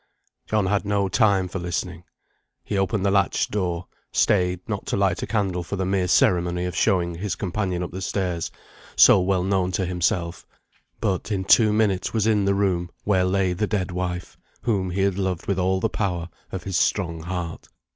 John had no time for listening. He opened the latched door, stayed not to light a candle for the mere ceremony of showing his companion up the stairs, so well known to himself; but, in two minutes was in the room, where lay the dead wife, whom he had loved with all the power of his strong heart.